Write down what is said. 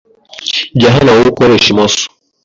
jya hano wowe ukoresha imoso